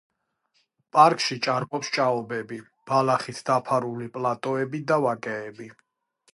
პარკში ჭარბობს ჭაობები, ბალახით დაფარული პლატოები და ვაკეები.